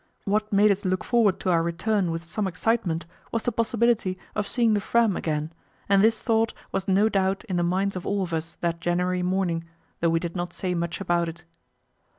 What made us look forward to our return with some excitement was the possibility of seeing the Fram again, and this thought was no doubt in the minds of all of us that January morning, though we did not say much about it.